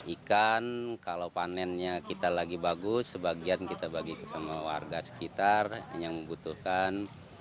ikan kalau panennya kita lagi bagus sebagian kita bagi ke semua warga sekitar yang membutuhkan